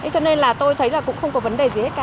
cho nên là tôi thấy là cũng không có vấn đề gì hết cả